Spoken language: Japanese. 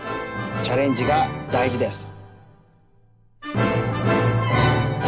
チャレンジがだいじです。